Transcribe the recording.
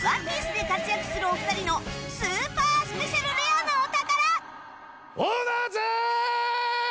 『ＯＮＥＰＩＥＣＥ』で活躍するお二人のスーパースペシャルレアなお宝